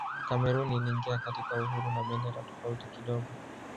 Kamerun iliingia katika uhuru na bendera tofauti kidogo.